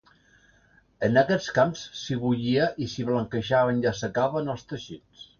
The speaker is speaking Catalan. En aquests camps s'hi bullia i s'hi blanquejaven i assecaven els teixits.